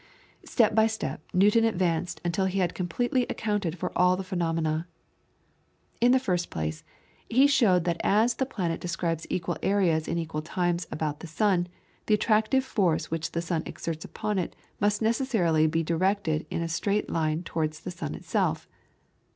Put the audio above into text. Step by step Newton advanced until he had completely accounted for all the phenomena. In the first place, he showed that as the planet describes equal areas in equal times about the sun, the attractive force which the sun exerts upon it must necessarily be directed in a straight line towards the sun itself.